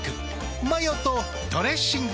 マヨとドレッシングで。